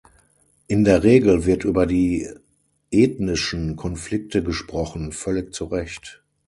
In der Regel wird über die ethnischen Konflikte gesprochen völlig zu Recht.